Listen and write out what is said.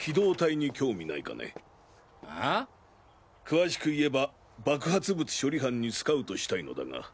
詳しく言えば爆発物処理班にスカウトしたいのだが。